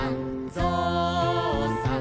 ぞうさん